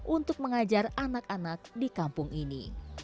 untuk mengajar anak anak di kampung ini